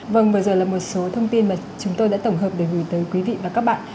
vâng vừa rồi là một số thông tin mà chúng tôi đã tổng hợp để gửi tới quý vị và các bạn